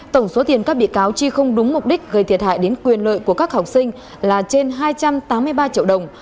tổng số tiền các bị cáo chi không đúng mục đích gây thiệt hại đến quyền lợi của các học sinh là trên hai trăm tám mươi ba triệu đồng